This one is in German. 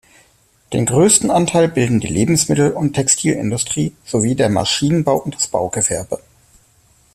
Den größten Anteil bilden die Lebensmittel- und Textilindustrie sowie der Maschinenbau und das Baugewerbe.